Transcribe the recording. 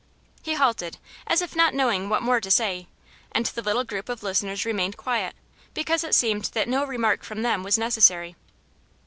He halted, as if not knowing what more to say, and the little group of listeners remained quiet because it seemed that no remark from them was necessary.